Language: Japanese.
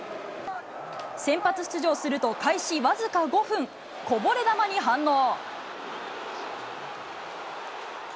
先発出場すると、開始僅か５分、こぼれ球に反応。